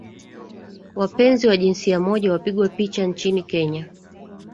wapenzi wa jinsia moja wapigwa picha nchini Kenya